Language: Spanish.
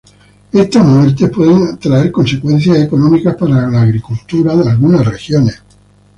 Estas muertes pueden traer consecuencias económicas para la agricultura de algunas regiones.